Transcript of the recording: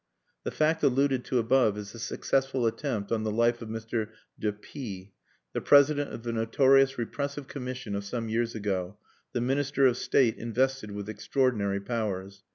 The fact alluded to above is the successful attempt on the life of Mr. de P , the President of the notorious Repressive Commission of some years ago, the Minister of State invested with extraordinary powers.